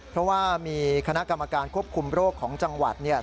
เพราะว่ามีคณะกรรมการควบคุมโรคของจังหวัดเนี่ย